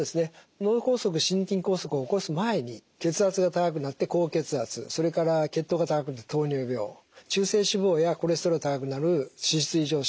脳梗塞心筋梗塞を起こす前に血圧が高くなって高血圧それから血糖が高くなって糖尿病中性脂肪やコレステロールが高くなる脂質異常症。